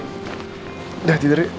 udah tidur ya